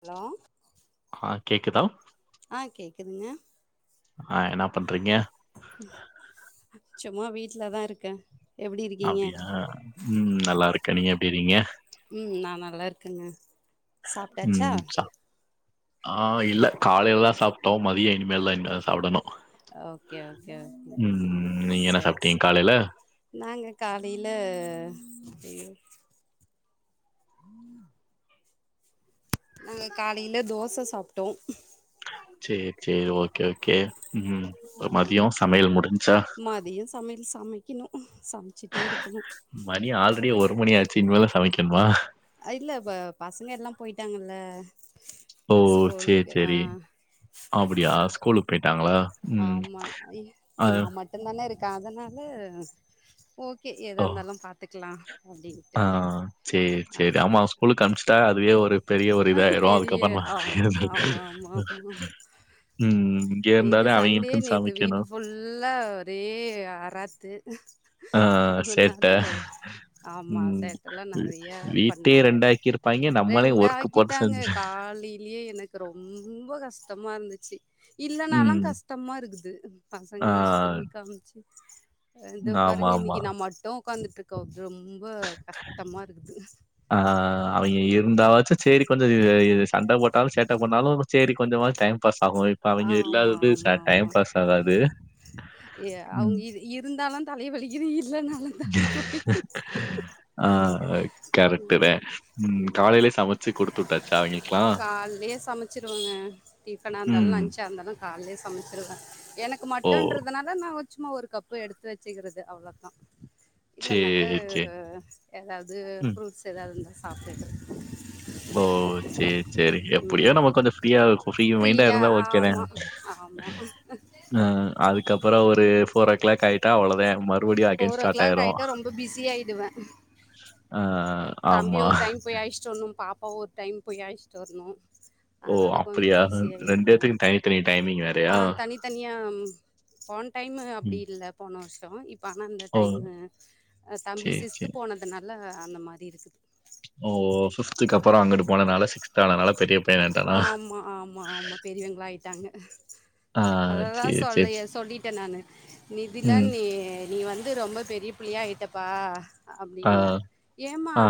Hello ஆ கேக்குதா? ஆஹ் கேக் கேக்குதுங்க ஆஹ் என்ன பண்றீங்க சும்மா வீட்டுல தான் இருக்கேன் அப்பிடியா உம் நல்லாயிருகேன் நீங்க எப்படியிருக்கீங்க ம் நா நல்லா இருக்கேங்க சாப்ட்டச்சா ஆஹ் இல்ல காலையில தான் சாப்பிட்டோம் மதியம் இனிமேல் இனிதான் சாப்பிடணும் ஓகே ஓகே ஓகே ஆ ம் நீங்க என்ன செரி சாப்ட்டீங்க செரி காலைல? நாங்க காலையில [unintelligible] நாங்க காலையில தோச சாப்ட்டோம் செரி செரி ஓக்கே ஓக்கே ம் ம் ஆமா மதியும் சமையல் முடிஞ்சா கனும் ஹா மணி ஆல்ரெடி ஒரு மணியச்சு இனிமேல் தான் சமைக்க எம்மா இல்லப் பசங்க எல்லா போயிட்டாங்கல்ல ஓ சேரி ஸ்கூலுக்கு ஆ சேரி அப்டியா ஸ்கூலுக்கு போயிட்டாங்களா ஆம்மா ஐ நான் மட்டுதானே இருக்கன் அதனால ஓகே எதா ஓ! இருந்தாலும் பாத்துக்கலாம் அப்டின்ட்டு ஆ ஆ த அதுவே ஒரு பெரிய ஒரு இதாயிரும். பெரிய அதுக்கப்புறம் ஆ ஆமா ஆமா ஆமா ம். இங்க நேத்து இருந்தாதான் சண்டே அவைங்களுக்குன்னு நேத்து வீட்டு சமைக்கணும். ஃபுல்லா ஒரே அராத்து சேட்ட அதனால ஆமா உம் சேட்டல்லா நெறைய வீட்டே ரெண்டாக்கி இருப்பாங்க நம்மளே ஒர்க் ட்டு போட்டு தாங்க செஞ்சு காலையிலயே எனக்கு ரொம்ப ரொம்ப கஷ்டமா இருந்துச்சி இல்லனாலும் ம். கஷ்டமா இருக்குது ஆ பசங்கல ஸ்கூலுக்கு அமிச்சி இதோ பாருங்க ஆமாமா. இன்னைக்கி நான் மட்டும் உக்காந்து இட்ருக்கோ ரொம்ப கஷ்டமா இருக்குது செரி கொஞ்சம் சண்டை போட்டாலும் சேட்டை பன்னாலும் சரி கொஞ்சமா டைம் பாஸ் ஆகும். இப்ப அவைங்க ஆமா இல்லாதது ச ஆமா டைம் ஆமா பாஸ் ஆகாது. ஏய் அவங்க ம். இது இருந்தாலும் தலை வெலிர்ரி ற் இல்லை நாளும் ஆ கரெக்ட்டு தான். ம். [unintelligible] காலையிலே சமைச்சு குடுத்து விட்டாச்சா அவைங்களுக்கெல்லாம்? கால்லே சமைச்சுருவேங்க டிபனா இருந்தாலும் ம். லஞ்சா இருந்தாலும் என்னாலும் காலையே சமைச்சிருவேன் எனக்கு ஓ! மட்டும்ன்றதுனால நான் சும்மா ஒரு கப்பு எடுத்து வெச்சுக்கிறது அவ்ளோதான் சரி, இல்லனக்கா சரி. ஏதாவது ம். ஃப்ரூட்ஸ் ஏதாதது அப்பேது ஓ சரி சரி எப்டியோ ம் நம்ம கொஞ்சம் ஃப்ரீ ஃப்ரீ மைன்டா ஃப்ரீயா இருந்தா ஓகே தான் ஆமாம் ஆமாம் அஹ அதுக்கப்பறம் ஒரு ஃபோர் கிளாக் ஆயிட்ட அவளோ தான் மரு டூடிய அகன் ஃபோர் ஓ ஸ்டார்ட் கிளாக் ஆயிடும் ஆகிட்டா ரொம்ப பிஸி அஹ தம்பி ஒரு டைம் போய் அயிஷ்டம்ன்னும் பாப்பா ஒரு டைம் போய் அழிசிட்டு வரணும் ஓ! அதனால கொஞ்சம் அப்படியா? பிஸியாயிருந்தோம் பேத்துக்கும் தனித்தனி டைமிங் வேறயா? ஆஹ் தனித்தனியா போன டைம்மு அப்படி ம். இல்லபோன வருஷம் தாயி பண அந்த ஓ! டைம் தம்பி சரி, சிக்ஸ்து போனதுனால இல்ல அந்த மாரி டி இருக்கு ஓஓ பிப்துக்கு அப்புறம் அங்கட்டு போனதுனால சிக்ஸ்த் ஆனால ஆமா ஆமா ஆமா பெரியவங்களா ஆயிட்டாங்க ஆ அததான் சரி, சரி. சொல்ல சொல்லிட்டேன் நானானு நீ இப்டிலா ம். நீ நீ வந்து ரொம்ப பெரிய புள்ளியா ஆயிட்ட பா ஆ, அப்படின்ன ஏமா ஆ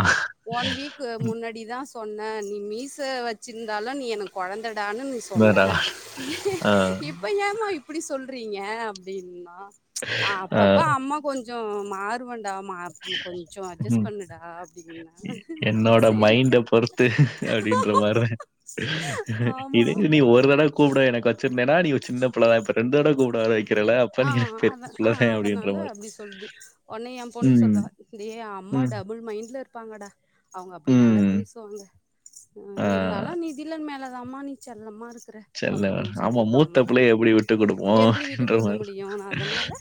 ஒன் வீக் முன்னாடிதான் சொன்ன நீ மீச வச்ச இருந்தாலும் நீ எனக்கு கெழந்த டானு நீ சொன்ன அடடா! ஆ, இப்ப ஏமா இப்படி சொல் செல்ரிங்க அப்படின்னா ஆ. அப்பப்ப அம்மா கொஞ்சம் மாற் [unintelligible] கொஞ்சம் அட்ஜஸ் ம். பண்ணுடா அப்படின்னா என்னோட மைண்ட சிரிக்குறா இதுக்கு நீ ஒரு தடவை கூப்பிட எனக்கு வச்சிரு என்னடா நீ ஓ சின்ன புள்ளை தான் ரெண்டு தடவ கூப்பிடமாரி ஆ ஆஹ அத ஆஹ அதனால மாரி. அப்படி சொல்லுது உன்ன என் பொண்ணு ம். சொல்லுவா டே அம்மா ம். டபுள் மைண்ட்ல இருப்பாங்கடா அவங்க அப்படி தான்டா ம். பேசுவாங்க ஆஹ ஆ. இருந்தாலும் நீ தில்லன் மேல தாமா நீ செல்லமா இருக்கு செல்ல ஆமா மூத்த பிள்ள எப்படி விட்டு கொடுப்போம் எப்டி விட்டு குடுக்க முடியு நா அதனால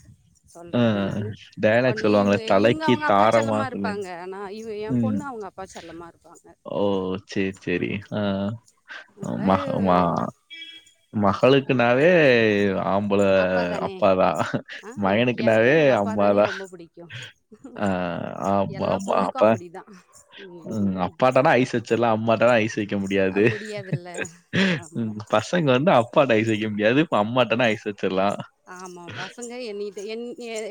சொல்றது ஆஹ நானு டயளாக் ஒடனே சொல்லுவாங்கள இவங்க இவங்க தலைக்கு அவங்க அப்பா தாரமா செல்லமா சொல்ல இருப்பாங்க ஆனா இவ எ உம் பொண்ணு அவங்க அப்பா செல்லமா இருப்பாங்க ஓ சேரி சேரி ஆஹ நல்லா மகளுக்கு நாவே ஆம்பளை அப்பா தானே அப்பாதான் ஆ எனக்கு மகனுக்குனாவே எங்க அப்பா தானே அம்மாதான் ரொம்ப புடிக்கு ஆஹ எல்லா ஆமாமா பொண்ணுக்கு அப்பா அப்டிதா உம் ம் அப்பாட்டானா ஐஸ் வச்சிடலாம் அம்மாட்டானா ஐஸ் வைக்க அ முடியாது முடியாதுல்ல ஆமா வந்து அப்பாட்ட ஐஸ் வைக்க முடியாது இப்ப அம்மா கிட்டனா ஐஸ் வச்சிடலாம். ஆமா பசங்க என்டு என்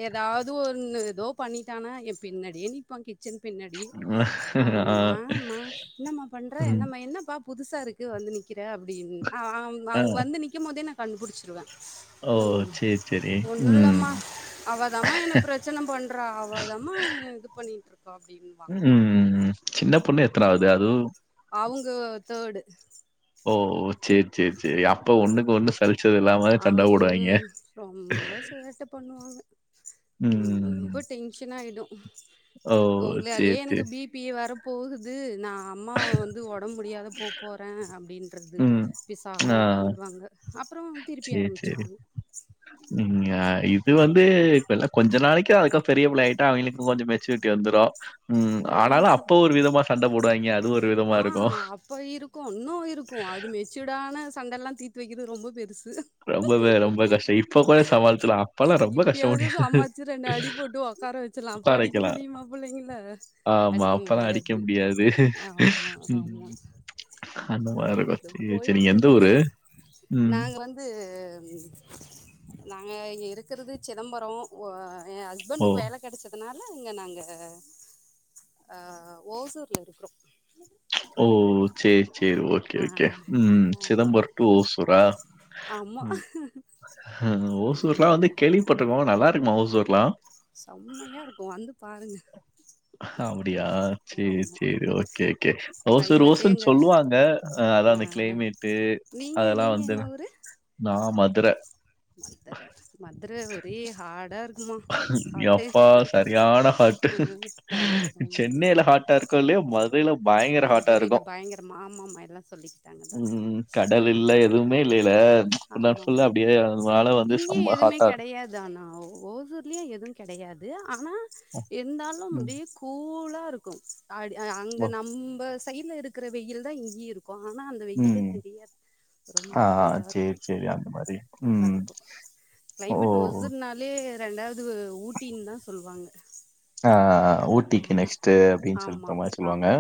ஏதாவது ஒ ஏதோ பண்ணிட்டானா என் பின்னாடியே நிப்பான் கிட்ட இதோ கிச்சன் பின்னாடி ஆஹ் ஆ. ஆமா என்னம்மா பண்ற என் ம். என்ன பா புதுசாருக்கு வந்து நி அப்படின்னு ஆ. அவங்க வந்து நிக்கும் போதே நா கண்டுபிடிச்சிருவேன் ஓ! உம் சரி, சரி. ஒண்ணும் ம். இல்லமா அவதமா என்ன பிரச்சன பண்ற அவதமா இது பண்ணிட்டு இருக்கா அப்படின்னுவாங்க ம். சின்ன பொண்ணு எத்தனாவது அது அவங்க தேர்டு ஓ செரி செரி ஆஹ் சண்டை போடுவாய்ங்க. ரொம்ப சேட்ட பண்ணுவாங்க ம். ரொம்ப டென்ஷன் ஆயிடும் ஓ! உங்ளாலே சரி, சரி. எனக்கு பிபி வர போகுது நான் அம்மாவ வந்து ஒடம்ப முடியாத போ போறேன் அப்படின்றது ம். ஆ. விசாகமாக உக்காந்துருவாங்க அப்புறம் திருப்பி ஆரம்பமிச்சுப்பாங்க ஆஹ் இது வந்து இப்பல கொஞ்ச நாளைக்கும் அதுக்க பெரிய பிள்ளஆகிட்டா அவங்களுக்கும் கொஞ்சம் மெச்சூரிட்டி வந்துரும் ம். ஆனாலும் அப்போ ஒரு விதமா சண்டை போடுவாய்ங்க. அது ஒரு விதமா இருக்கும். ஆஹ் அப்ப இருக்கும் இன்னும் இருக்கும் அது மெச்சூடான சண்டல்லாம் தீத்து வக்கிறது ரொம்ப பெருசு ரொம்பவே ரொம்ப கஷ்டம் இப்ப கூட சமாளிச்சலாம் அப்பல்லாம் ரொம்ப கஷ்ட இப்பயாவது முடியாதுஇப்ப சமாச்சு ரெண்டு அடி போட்டு ஒக்கார வச்சலா அப்ப அடிக்க அடக்கலாம் முடியுமா புள்ளைங்கள ஆமா அப்பலாம் அடிக்க முடியாது ஆமா ஆமா [unintelligible] சரி, சரி. போயிட்டு நீங்க எந்த இருக்குது ஊரு? ம். நாங்க வந்து நாங்க இங்க இருக்கிறது சிதம்பரம் என் ஓ! ஹஸ்பன்க்கு வேல கெடச்சதுனா இங்க நாங்க ஓசூர்ல இருக்றோம் ஓ செரி செரி ஓகே ஓகே உம் சிதம்பரம் டு ஓசூரா ஆமா ஓசூர்லாம் வந்து கேள்விப்பட்ருக்கோம் நல்லா மாவுசூர்லாம் சம்மையா இருக்கும் வந்து பாருங்க அப்படியா! ஆமா ஓசூர் கிளைமேட்டே ஒசுர்ன்னு அங்க சொல்லுவாங்க ஆ அதான் அந்த கிளைமேட்டு நீங்க அதெல்லாம் நீங்க வந்து என்ன ஊரு ஆஹ் மதுர மதுர ஒரே ஹாடா இருக்குமா ஹாட்டு யப்பா சரியான ஹாட்டு ஆமா ஆமா சென்னையில ஹாட்டா இருக்கோ இல்லையோ மது. சென்னையில பயங்கர ஹாட்டா இருக்கு. மதுரையில பயங்கரமா ஆமாமா எல்லா சொல்லிக்கிட்டாங்கதா உம் கடல் இல்ல ம் ம் எதுவுமே இல்லல்ல ம்ச் ஃபுல்லன் ஆமா ஃபுல்லா ஆமா அப்டியேதா அதனால வந்து இங்கேயு செம்ம ஹாட்டா இருக்கு. லியே எதுவு கெடையாது. ஆனா இருந்தாலும் ம். அப்டியகூல். நல்லா இருக்கு. அடி ஓ! அங்கனா. நொம்ப சைடுல இருக்கிற வெயில்தா இங்கேயு இருக். இருக்கு ஆனா அந்த வெயிலே ம். தெரியாது. ரொம்ப ஆ கூலா இருக்கு. சரி, சரி. அந்த மாரி. நல்லா ம். இருக்கு ஓ! கிளைமேட் ஒசூருனாலே. ரெண்டாவது ஊட்டின்தா சொல்லுவாங்க. ஆஹ ஊட்டிக்கு ஆ- நெக்ஸ்ட்டு அப்படின்னு ஆமா சொல்த்த மாரி சொல்லுவாங்க. ஆமா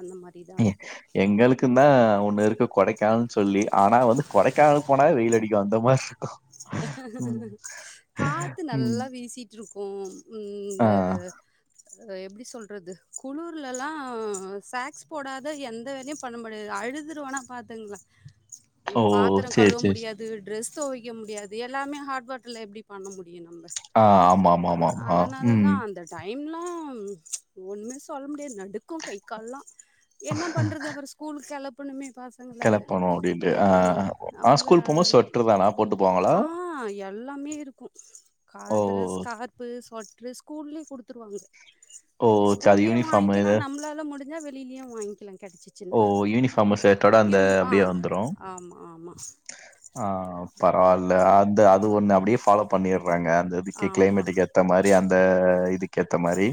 அந்த மாரிதா இருக்கு எங்களுக்கு தா ஒன்னு இருக்கு கொடைக்கானல். சொல்லி ஆனா வந்து கொடைக்கானலூக்கு போனாவே வெயில் அடிக்கு அந்த மாரி இருக். ஹஹேஹேஹ காத்து ம். நல்லா வீசிட்டு இருக்கு. உம். ஆ. உம்ந்த. எப்படி சொல்றது குளர்ல்லா சாக்ஸ் போடாத எந்த வேலையும் பண்ண முடியாது அழுதுடுவேன்னா பாத்துக்கங்களே. ஓ! பாத்திரம் சரி, கழுவ சரி. முடியாது ட்ரெஸ். துவைக்க முடியாது. எல்லாமே ஹாட் வாட்டர் எப்படி பண்ண முடியு. நம்ம ஆஹ ஆமா ஆமா ஆமா ஆமா உம். டைம்லாம் ம்ச் ஒண்ணுமே சொல்ல முடியாது நை. நடுக்கு கை கால்லா. என்ன பண்றது அப்றோ ஸ்கூலுக் கெலப். பனுமே. கிளப்பணு அப்டின்றியா ஹ. நா ஸ்கூல் போகும்போது ஸ்வொட்டர்தா போட்டு போவாங்கள. ஆஹ எல்லாமே இருக்கு. ஓ! Card scarf சொட். ற்று ஸ்கூல்லயே குடுத்துருவாங்க. ஓ! சரி அது ஸ்கூல்லயே யூனிஃபார்ம் வாங்கிக்கலா இது நம்மளால முடிஞ். இல்ல வெளிலையும் வாங்கிக்கலாங். கெடச்சிச்சின்னா ஓ! யூனிஃபார்ம் ஷர்ட்டோட இவங்ள ஆஹ ஆமா ஆமா. ஆஹ பரவாயில்ல அ. அந்த அது ஒண்ணு அப்படியே ஃபாலோ பண்ணிர். ங்க அந்த விக்கி ஆமா கிளைமேட்டுக்கு ஏத்த மாரி அந்த இது. [inaudible] இந்த மாரி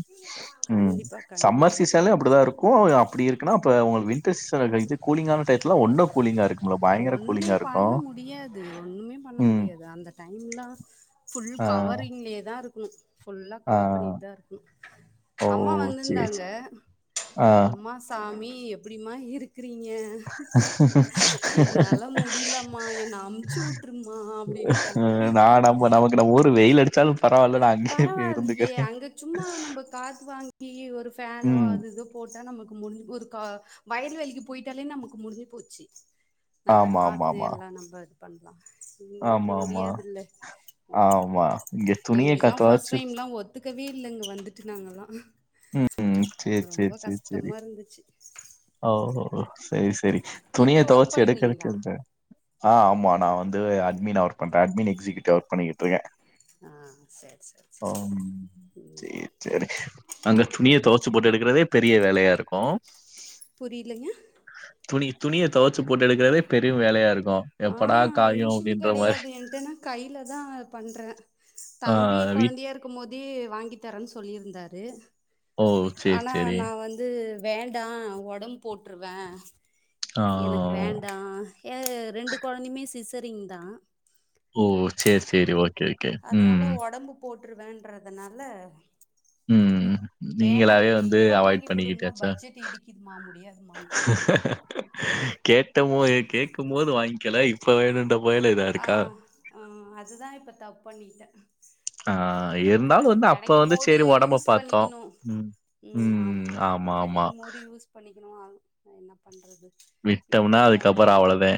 உம் கண்டிப்பா சம்மர் கண்டிப்பா சீசன்ல அப்டிதா இருக் கோ அப்டி இருக்குனா அப்ப உங்களுக்கு வின் [unintelligible] இது குளிங்கான [unintelligible] ஒன்னு கூலிங்கா இருக்குமுல்ல பயங்கர ஒன்னும்மே இருக்கு பண்ண முடியாது ஒன்னும்மே பண்ண ம் முடியாது அந்த டைம்லா ஃபுல் ஆ கவரிங்லே தா இரு [unintelligible] ஃபுல்லா ஆ கவர் பண்ணிட்டு தா இருக்கனு ஓ அம்மா சேரி வந்துந்தாங்க சேரி ஆ அம்மா சாமி நீ எப்டிமா இருக் கிறீங்க என்ன அமுச்சு விட்டுருமா நா அப்டின்ட்டாங்க நம்ம நமக்கு நம்ம ஊர் வெயில் அடிச்சாலு பரவால்ல நா அங்கேயே போய் பரவாயில்லையே இருந்துக்கிறே அங்க சும்மா நம்ம காத்து வாங்கி ஒரு ஃபேனோ ம் அது இது போட்டா நமக்கு மு ஒரு கா வயல் வேலிக்கு போயிட்டாலே நமக்கு முடிஞ்சி போச்சு நல்ல ஆமா ஆமா காத்து ஆமா எல்லா நம்ம பண்லா ஆமா ஆமா ஆமா இங்க துணியேக் கெலா ஃபர்ஸ்ட் டைம்லா ஒத்துக்கவே இல்லங்க வந்துட்டு நாங்கெல்லா [inaudible] உம் சேரி சேரி சேரி சேரி இருந்துச்சு ஓ ஓ சேரி சேரி நீங்க துணிய ஒர்க் துவச்சு பண்றீங்களா எடுக்கதுக்கென்ன ஆஹ் ஆமா நா வந்து அட்மீனா ஒர்க் பண்றே அட்மீன் எக்ஸிக்யூட்டிவா ஒர்க் பண்ணிக்கிட்டுருக்க ஆஹ் சேரி சேரி சேரி சரி, உம் சரி. அங்க துணிய துவைச்சு போட்டு எடுக்கிறதே பெரிய வேலையாருக்கோ புரியலங்க துணிய துவச்சு போட்டு எடுக்கிறதே பெரும் வேலயா இருக் ஆஹ் மிஷின் கெடையாது என்ட்டன்னா கையில தா பண்றே ஆ தம்பி வீட் கொழந்தையா இருக்கும்போது [unintelligible] வாங்கி தரேன் சொல்லியிருந்தாரு ஓ சேரி ஆனா சேரி நா வந்து வேண்டா ஒடம்பு போட்டுருவ ஆ எனக்கு வேண்டா ஏ ரெண்டு குழந்தையுமே சிசரிங் தான் ஓ சேரி சேரி ஓகே கேகே உம் றுவேண்றதுனால உம் நீங்களவே வந்து இப்ப அவாய்ட் வாங்கி குடுன்னா பண்ணிக்கிட்டாச்சா பட்ஜெட் இடிக்குதுமா முடியாதுமான்ட்டாரு கேட்ட போய கேட்கும்போது வ வாங்கிகல இப்ப வேணும் ஆஹ் ஆஹ் அதுதான் இப்ப தப்பு பண்டேன் ஆஹ் இருந்தாலும் வந்து அப்ப வந்து போது சரி உடம்ப யூஸ் பாத்தோம் பண்ணிக்கணு உம் ம் உம் ஆமா ஆமா நான் என்ன பண்றது இப்ப விட்டோம்னா கொஞ்சோ அதுக்கப்புற அவ்ளதே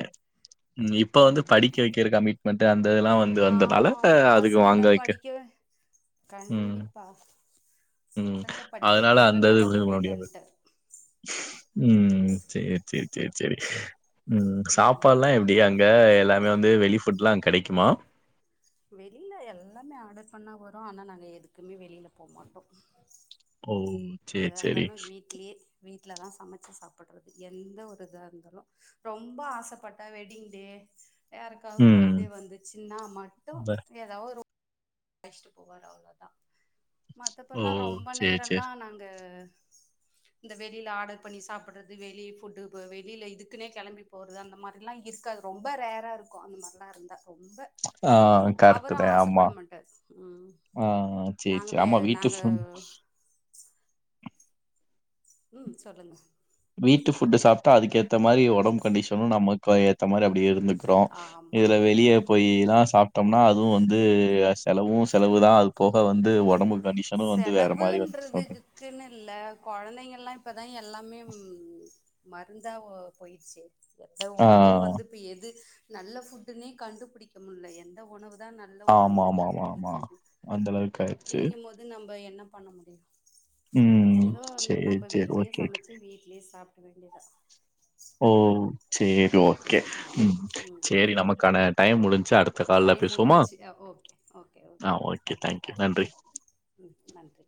உம் இப்ப வந்து ஆமா படிக்க வெக்கிற கமிட்மெண்ட் அந்த இதெல்லா வந்து வந்ததால ஆமா ஆமா ஆஹ் அதுக்கு வாங்க பசங்கள வெக்க படிக்க கண்டிப்பா உம் பசங்கள படிக்க அதனால அந்த இது வைக்கிறதுனால முடியலன்ட்டு உம் சேரி சேரி சேரி சேரி உம் ம், ம், ம். சாப்பால்லாம் எப்டி அங்க எல்லா இப்ப வந்து வெளி புட்லா கெடைக்குமா வெளில எல்லாமே ஆர்டர் பண்ணா வரு ஆனா நாங்க எதுக்குமே வெளில போ மாட்டோ ஓ! சரி, எதா சரி. இருந்தாலு வீட்லயே வீட்லதா சமைச்சி சாப்றது எந்த ஒரு இதா இருந்தாலு ரொம்ப ஆசைப்பட்ட வெட்டிங்டே யாருக்கா பர்டே வந்தச்சினா மட் வர [unintelligible] அயிஷ்டு போவாரு அவ்ளோதா ஓ! மத்தப்ப ரொம்ப சரி, நேரல்லா சரி. நாங்க இந்த வெளில ஆடர் பண்ணி சாப்பிறது வெளி ஃபுட்டு பு வெளில இதுக்குன்னே கெளம்பி போறது அந்த மாரில்லா இருகாது ரொம்ப ரேரா இருக்கு அந்த மாரிலா இருந்தா ரொம்ப ஆஹ் அவரு கரட்டுதா ஆமா ஆசப்பட மாட்டாரு ம் ஆஹ் சேரி நாங்க சேரி வே ஆமா வீட்டு நாங்க ஃபுட் உம் சொல்லுங்க வீட்டு ஃபுட்டு சாப்டா அதுக்கு ஏத்தா மாரி ஒடம்பு கண்டிஷனு நமக்கு ஏத்தா மாரி அப்டி இருந்துக்குருமா ஆமா இதுல வெளியே கொஞ்ச போயில்லா சாப்டோம்னா அதுவு வந்து அ செலவோ செலவு தா அது போக வந்து ஒடம்பு கண்டிஷனும் வந்து வேற மாரி வந்து சொல்றே செலவுன்றதுக்குன்னு இல்ல கொழந்தைங்கல்லா அதா எல்லாமேம் மருந்தாவோ போயிருச்சே எந்த ஆ உணவு வந்து இப்ப எது நல்ல ஃபுட்டுனே கண்டுபுடிக்க முல்ல எந்த உணவு இதா நல்ல ஆமா உணவுனு ஆமா ஆமா ஆமா கண்டுபுடிக்கு அந்த அளவுக்கு ஆயிடுச்சு அப்டிங்கபோது இப்ப என்ன பண்ண முடியு ம் ஏதோ சேரி நம்ம சேரி வீட்லயே ஓகே ஓகே சமச்சி வீட்லயே சாப்பிட வேண்டியது செரி ஓகே ம் ம் ம் செரி நமக்கான டைம் முடிஞ்ச் அடுத் டைம் முடிஞ்சிச்சு ஓகே ஓகே ஆ ஓகே அடுத்து தேங்க்யூ கால் நன்றி ஆ ம் நன்றி